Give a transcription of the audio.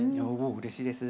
うれしいです。